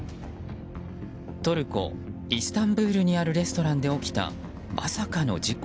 トルコ・イスタンブールにあるレストランで起きたまさかの事故。